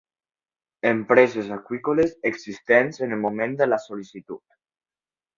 Empreses aqüícoles existents en el moment de la sol·licitud.